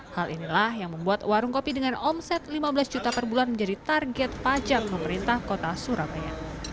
hal inilah yang membuat warung kopi dengan omset lima belas juta per bulan menjadi target pajak pemerintah kota surabaya